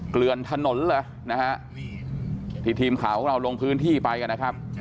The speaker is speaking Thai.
เกลือนถนนเลยนะฮะที่ทีมข่าวของเราลงพื้นที่ไปกันนะครับ